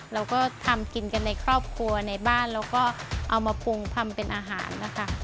เราก็ทำกินกันในครอบครัวในบ้านแล้วก็เอามาปรุงทำเป็นอาหารนะคะ